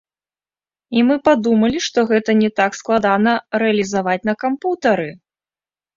І мы падумалі, што гэта не так складана рэалізаваць на кампутары!